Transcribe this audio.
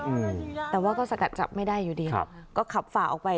อืมแต่ว่าก็สกัดจับไม่ได้อยู่ดีครับก็ขับฝ่าออกไป